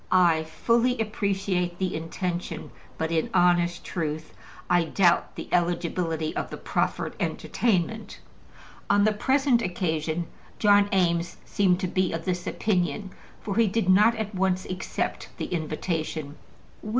I fully appreciate the intention, but in honest truth, I doubt the eligibility of the proffered entertainment. On the present occasion John Eames seemed to be of this opinion, for he did not at once accept the invitation.